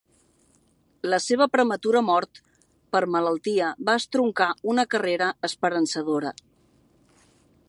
La seva prematura mort per malaltia va estroncar una carrera esperançadora.